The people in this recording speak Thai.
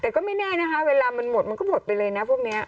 แต่ก็ไม่แน่นะคะเวลามันหมดมันก็หมดไปเลยนะพวกนี้